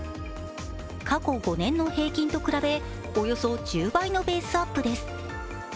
過去５年の平均と比べおよそ１０倍のベースアップです。